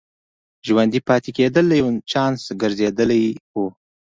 ژوندي پاتې کېدل یو چانس ګرځېدلی و.